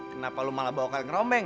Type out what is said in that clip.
kenapa lu malah bawa kali ngerombeng